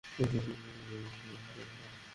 ফাঁসি দিন, শূলে চড়ান আমাকে।